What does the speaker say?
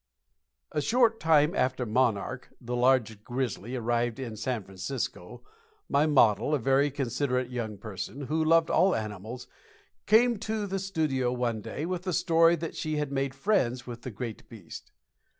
A short time after "Monarch," the large grizzly, arrived in San Francisco, my model, a very considerate young person, who loved all animals, came to the studio one day with the story that she had made friends with the great beast.